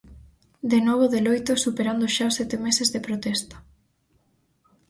De novo de loito e superando xa os sete meses de protesta.